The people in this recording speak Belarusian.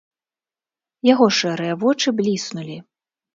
Яго шэрыя вочы бліснулі.